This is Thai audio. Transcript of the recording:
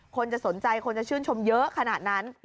คนจะสนใจคนจะชื่นชมเยอะขนาดนั้น